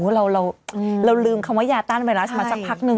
เราลืมคำว่ายาต้านไวรัสมาสักพักนึง